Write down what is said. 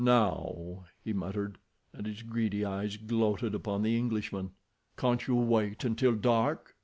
"Now," he muttered, and his greedy eyes gloated upon the Englishman. "Can't you wait until dark?"